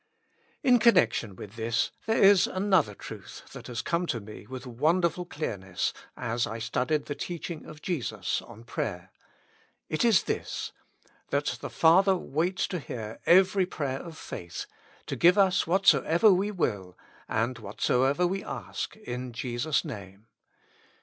In connection with this there is another truth that has come to me with wonderful clearness as I studied the teaching of Jesus on pra)^er. It is this : that the 4 Preface. Father waits to hear every prayer of faith, to give us whatsoever we will, and whatsoever we ask in Jesus' name.